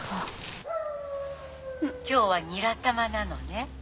今日はニラ玉なのね。